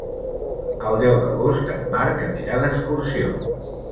El deu d'agost en Marc anirà d'excursió.